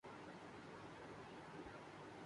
لیکن ایسی تو کوئی چیز نہیں ہوئی۔